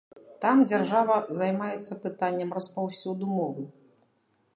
Там дзяржава займаецца пытаннем распаўсюду мовы.